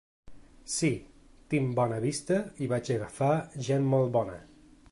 Sí, tinc bona vista i vaig agafar gent molt bona.